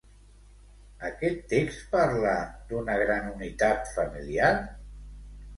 Aquest text parla d'una gran unitat familiar?